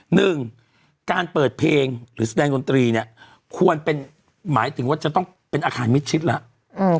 หนึ่งการเปิดเพลงหรือแสดงดนตรีเนี่ยควรเป็นหมายถึงว่าจะต้องเป็นอาคารมิดชิดแล้ว